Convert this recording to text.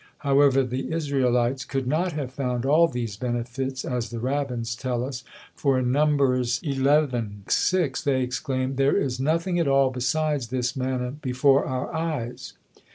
However, the Israelites could not have found all these benefits, as the rabbins tell us; for in Numbers xi. 6, they exclaim, "There is nothing at all besides this manna before our eyes!"